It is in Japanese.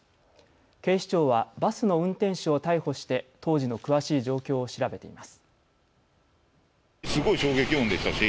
警視庁はバスの運転手を逮捕して当時の詳しい状況を調べています。